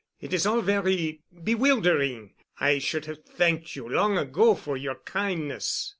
It is all very bewildering. I should have thanked you long ago for your kindness."